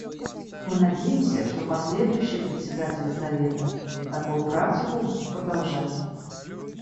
Мы надеемся, что последующие председатели Совета такую практику будут продолжать.